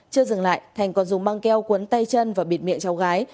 chưa dừng lại thành còn dùng băng keo cuốn tay chân và bịt miệng cháu gái